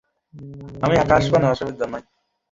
কিন্তু ভিতরে অনাস্থা সৃষ্টি হয়েছিল।